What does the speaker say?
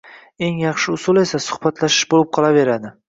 Eng yaxshi usul esa suhbatlashish bo‘lib qolaveradi.